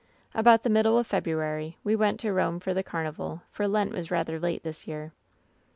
"About the middle of February we went to Rome for the carnival, for Lent was rather late this year.